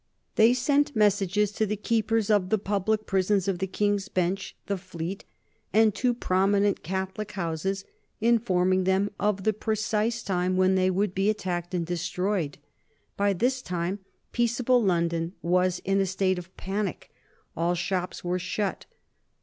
They sent messages to the keepers of the public prisons of the King's Bench, the Fleet, and to prominent Catholic houses, informing them of the precise time when they would be attacked and destroyed. By this time peaceable London was in a state of panic. All shops were shut.